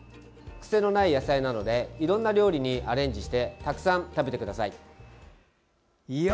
癖のない野菜なのでいろんな料理にアレンジしてたくさん食べてください。